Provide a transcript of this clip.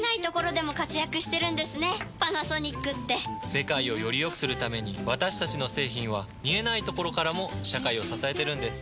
世界をよりよくするために私たちの製品は見えないところからも社会を支えてるんです。